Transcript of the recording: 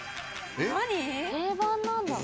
定番なんだ。